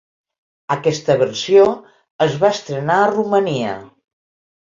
Aquesta versió es va estrenar a Romania.